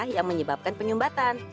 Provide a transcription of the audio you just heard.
yang menyebabkan penyumbatan